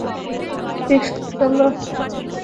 টিফ, চলো!